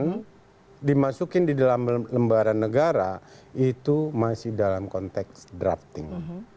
yang dimasukin di dalam lembaran negara itu masih dalam konteks drafting